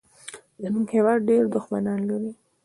زمونږ هېواد ډېر دوښمنان لري